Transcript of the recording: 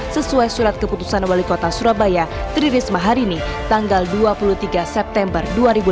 sesuai surat keputusan wali kota surabaya tririsma hari ini tanggal dua puluh tiga september dua ribu lima belas